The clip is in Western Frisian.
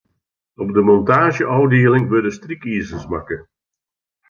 Op de montaazjeôfdieling wurde strykizers makke.